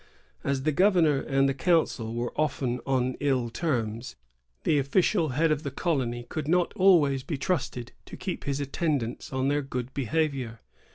"^ As the governor and the council were often on ill terms, the official head of the colony could not always be trusted to keep his attendants on their good behavior.